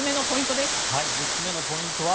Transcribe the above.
３つ目のポイントは。